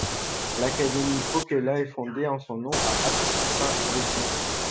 L'académie Pokela est fondée en son nom à Haapavesi.